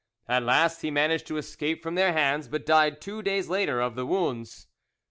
At last he managed to escape from their hands, but died two days later of his wounds.